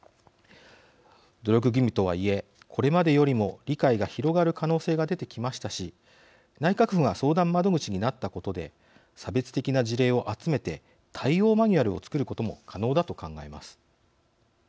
努力義務とはいえこれまでよりも理解が広がる可能性が出てきましたし内閣府が相談窓口になったことで差別的な事例を集めて対応マニュアルを作ることも可能だと考えます。